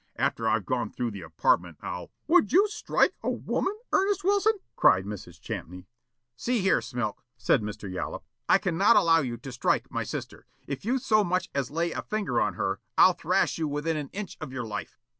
After I've gone through the apartment, I'll " "Would you strike a woman, Ernest Wilson?" cried Mrs. Champney. "See here, Smilk," said Mr. Yollop, "I cannot allow you to strike my sister. If you so much as lay a finger on her, I'll thrash you within an inch of your life."